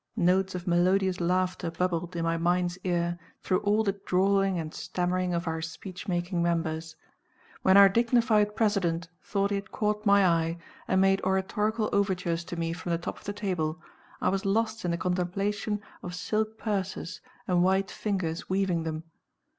Notes of melodious laughter bubbled, in my mind's ear, through all the drawling and stammering of our speech making members. When our dignified President thought he had caught my eye, and made oratorical overtures to me from the top of the table, I was lost in the contemplation of silk purses and white fingers weaving them.